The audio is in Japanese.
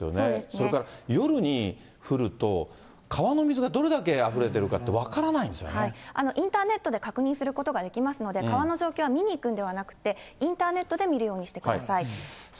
それから夜に降ると、川の水がどれだけあふれているかって、インターネットで確認することができますので、川の状況は見に行くんではなくて、インターネットで見るようにしてください。